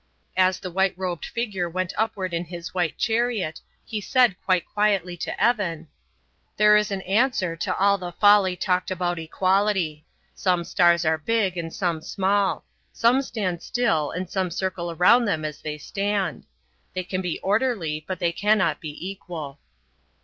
As the white robed figure went upward in his white chariot, he said quite quietly to Evan: "There is an answer to all the folly talked about equality. Some stars are big and some small; some stand still and some circle around them as they stand. They can be orderly, but they cannot be equal."